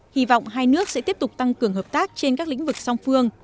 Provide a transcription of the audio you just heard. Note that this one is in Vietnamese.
hy vọng hai nước sẽ tiếp tục tăng cường hợp tác trên các lĩnh vực song phương